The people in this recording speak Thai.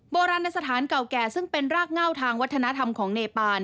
โบราณสถานเก่าแก่ซึ่งเป็นรากเง่าทางวัฒนธรรมของเนปาน